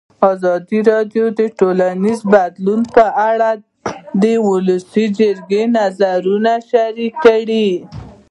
ازادي راډیو د ټولنیز بدلون په اړه د ولسي جرګې نظرونه شریک کړي.